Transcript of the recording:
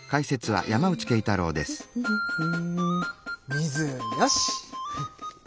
水よし！